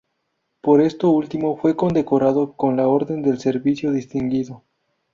Por esto último fue condecorado con la Orden del Servicio Distinguido.